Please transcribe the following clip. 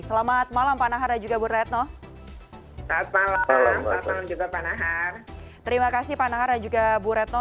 selamat malam pak nahar dan juga bu retno